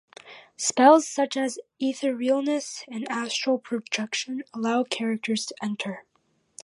Spells such as etherealness and astral projection allow characters to enter